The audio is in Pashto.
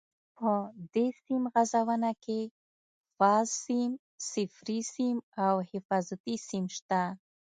په دې سیم غځونه کې فاز سیم، صفري سیم او حفاظتي سیم شته.